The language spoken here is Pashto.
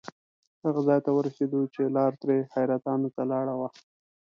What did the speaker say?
هغه ځای ته ورسېدو چې لار ترې حیرتانو ته لاړه وه.